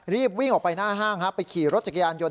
รีบวิ่งออกไปหน้าห้างไปขี่รถจักรยานยนต